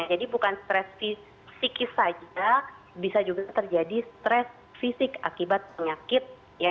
jadi bukan stress fisik saja bisa juga terjadi stress fisik akibat penyakit